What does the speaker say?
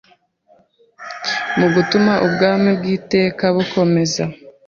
mu gutuma ubwami bw’iteka bukomera.